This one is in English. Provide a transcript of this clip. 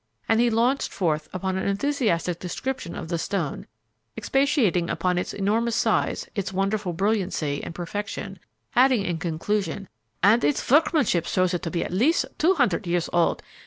and he launched forth upon an enthusiastic description of the stone, expatiating upon its enormous size, its wonderful brilliancy and perfection, adding in conclusion, "and its workmanship shows it to be at least two hundred years old!